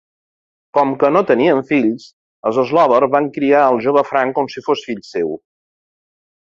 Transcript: Com que no tenien fills, els Slovers van criar al jove Frank com si fos fill seu.